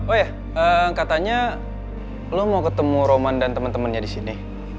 oh ya katanya lo mau ketemu roman dan temen temennya disini